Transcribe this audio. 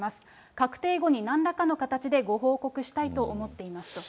確定後になんらかの形でご報告したいと思っていますと。